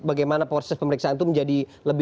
bagaimana proses pemeriksaan itu menjadi lebih